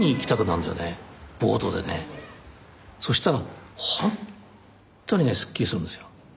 そしたらほんとにねすっきりするんですよ。